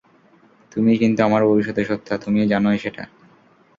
তুমিই কিন্তু আমার ভবিষ্যতের সত্তা, তুমি জানোই সেটা।